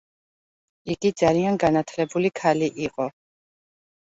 იგი ძალიან განათლებული ქალი იყო.